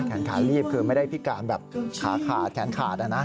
แขนขาลีบคือไม่ได้พิการแบบขาขาดแขนขาด